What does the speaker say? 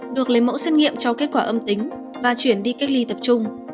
được lấy mẫu xét nghiệm cho kết quả âm tính và chuyển đi cách ly tập trung